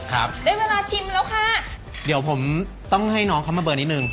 ครับได้เวลาชิมแล้วค่ะเดี๋ยวผมต้องให้น้องเขามาเบอร์นิดนึง